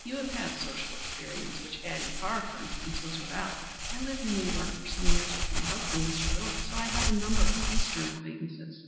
You have had social experience, which Addie Farr, for instance, was without." "I lived in New York for some years with my husband, Mr. Littleton, so I have a number of Eastern acquaintances."